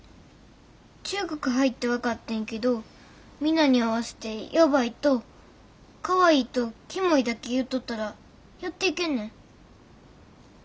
中学入って分かってんけどみんなに合わせてやばいとかわいいとキモいだけ言うとったらやっていけんねん。